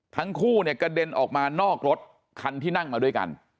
ทั้งคู่เนี่ยกระเด็นออกมานอกรถคันที่นั่งมาด้วยกัน